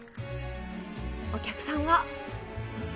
お客さんは。